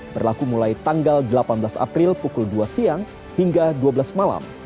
berlaku mulai tanggal delapan belas april pukul dua siang hingga dua belas malam